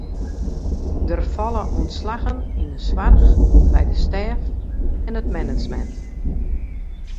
Der falle ûntslaggen yn de soarch, by de stêf en it management.